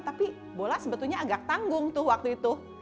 tapi bola sebetulnya agak tanggung tuh waktu itu